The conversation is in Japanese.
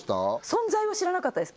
存在は知らなかったです